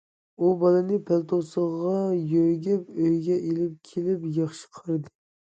ئۇ بالىنى پەلتوسىغا يۆگەپ ئۆيىگە ئېلىپ كېلىپ، ياخشى قارىدى.